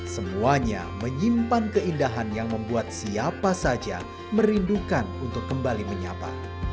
semuanya menyimpan keindahan yang membuat siapa saja merindukan untuk kembali menyapa